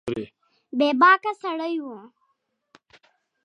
بې باکه سړی و